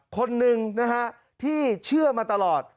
คนหนึ่งนะฮะที่เชื่อมาตลอด